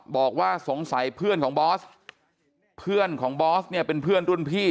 บอกว่าสงสัยเพื่อนของบอสเพื่อนของบอสเนี่ยเป็นเพื่อนรุ่นพี่